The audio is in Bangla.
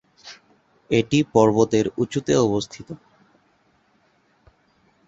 এটি পর্বতের উচুতে অবস্থিত।